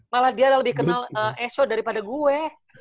malah dia lebih kenal eso daripada gue